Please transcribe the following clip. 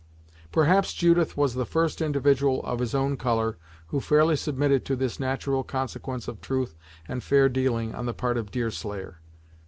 Perhaps Judith was the first individual of his own colour who fairly submitted to this natural consequence of truth and fair dealing on the part of Deerslayer.